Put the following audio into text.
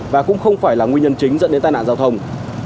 và cũng không phải là nguyên nhân chính dẫn đến tai nạn giao thông